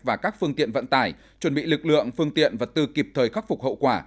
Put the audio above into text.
và các phương tiện vận tải chuẩn bị lực lượng phương tiện vật tư kịp thời khắc phục hậu quả